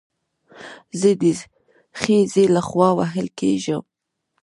زه د خځې له خوا وهل کېږم